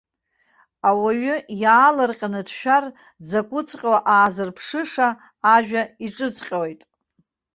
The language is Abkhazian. Ауаҩы иаалырҟьаны дшәар, дзакәыҵәҟьоу аазырԥшыша ажәа иҿыҵҟьоит.